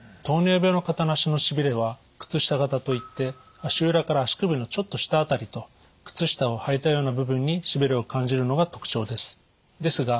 糖尿病の方の足のしびれは靴下型といって足裏から足首のちょっと下辺りと靴下を履いたような部分にしびれを感じるのが特徴です。